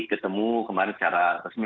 ketemu kemarin secara resmi